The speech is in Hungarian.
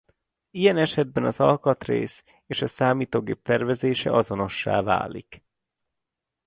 Ilyen esetben az alkatrész és a számítógép tervezése azonossá válik.